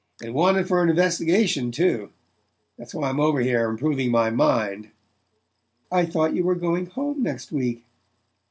And wanted for an Investigation too. That's why I'm over here improving my mind." "Why, I thought you were going home next week?"